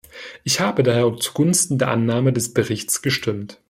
Ich habe daher zugunsten der Annahme des Berichts gestimmt.